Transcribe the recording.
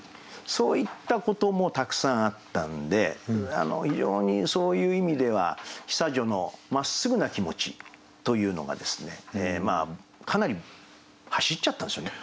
そういったこともたくさんあったんで非常にそういう意味では久女のまっすぐな気持ちというのがかなり走っちゃったんですよね。